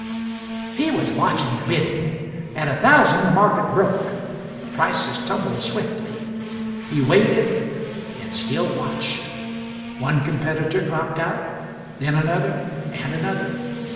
He was watching the bidding. At a thousand, the market broke: the prices tumbled swiftly. He waited and still watched. One competitor dropped out; then another, and another.